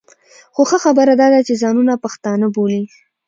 خو ښه خبره دا ده چې ځانونه پښتانه بولي.